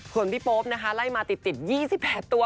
คนพี่โป๊ปนะคะไล่มาติดติด๒๘ตัว